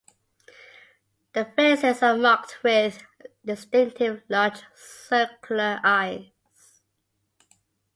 The faces are marked with distinctive large circular eyes.